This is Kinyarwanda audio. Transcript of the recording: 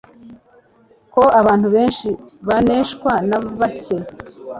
ko abantu benshi baneshwa na bake